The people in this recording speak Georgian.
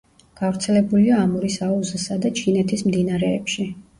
გავრცელებულია ამურის აუზსა და ჩინეთის მდინარეებში.